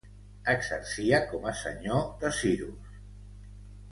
Exercia com a senyor de Siros.